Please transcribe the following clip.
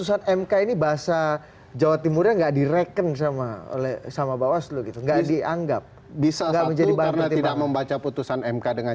sama oleh sama bawah seluruh gitu nggak dianggap bisa menjadi bahwa tidak membaca putusan mk dengan